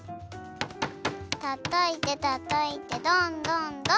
たたいてたたいてどんどんどん！